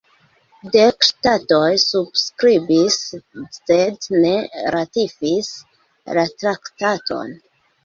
Dek ŝtatoj subskribis, sed ne ratifis la traktaton.